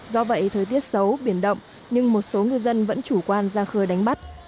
do vậy thời tiết xấu biển động nhưng một số ngư dân vẫn chủ quan ra khơi đánh bắt